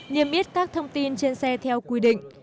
niêm yết các thông tin trên xe theo quy định